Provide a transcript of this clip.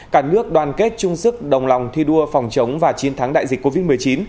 cả nước đoàn kết chung sức đồng lòng thi đua phòng chống và chiến thắng đại dịch covid một mươi chín